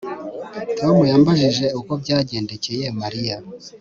Tom yambajije uko byagendekeye Mariya